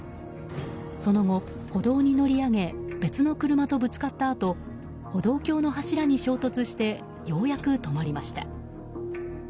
その後、歩道に乗り上げ別の車とぶつかったあと歩道橋の柱に衝突してようやく止まりました。